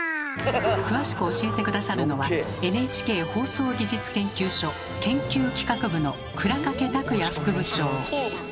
詳しく教えて下さるのはＮＨＫ放送技術研究所研究企画部の倉掛卓也副部長。